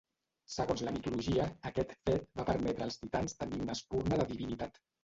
Segons la mitologia, aquest fet va permetre als titans tenir una espurna de divinitat.